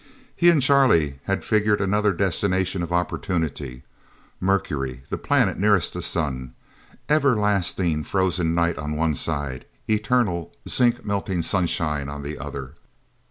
"He and Charlie had figured another destination of opportunity Mercury, the planet nearest the sun, everlasting frozen night on one side, eternal, zinc melting sunshine on the other.